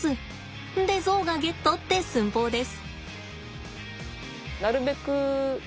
でゾウがゲットって寸法です。